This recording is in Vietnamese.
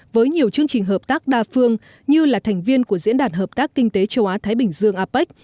với nhiều chương trình hợp tác đa phương như là thành viên của diễn đàn hợp tác kinh tế châu á thái bình dương apec